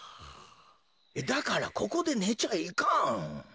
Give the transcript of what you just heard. だからここでねちゃいかん。